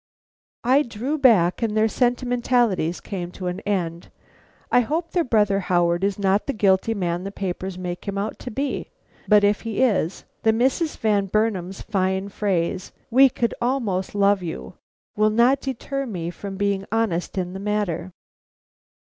I drew back and their sentimentalities came to an end. I hope their brother Howard is not the guilty man the papers make him out to be, but if he is, the Misses Van Burnam's fine phrase, We could almost love you, will not deter me from being honest in the matter.